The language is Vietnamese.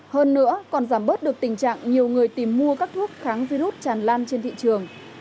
hơn nữa còn giảm bớt được tình trạng nhiều người tìm mua các thuốc kháng virus tràn lan trên thị trường